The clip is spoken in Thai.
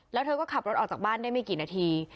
แล้วเธอก็ขับรถออกจากบ้านได้ไม่กี่นาที